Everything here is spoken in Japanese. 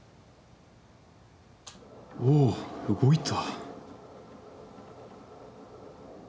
おおっ動いた。